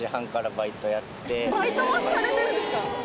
バイトもされてるんですか？